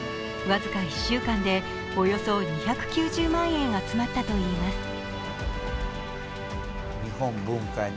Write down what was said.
僅か１週間で、およそ２９０万円集まったといいます。